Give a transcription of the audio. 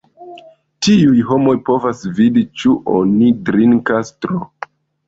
Tiuj homoj povas vidi ĉu oni drinkas tro.